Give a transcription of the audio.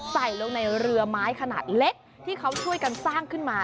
ใส่ลงในเรือไม้ขนาดเล็กที่เขาช่วยกันสร้างขึ้นมา